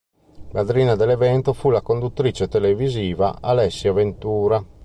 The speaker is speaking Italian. Madrina dell'evento fu la conduttrice televisiva Alessia Ventura.